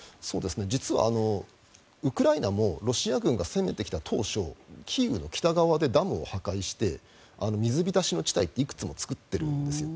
実はウクライナもロシア軍が攻めてきた当初キーウの北側でダムを破壊して水浸しの地帯っていくつも作っているんですよ。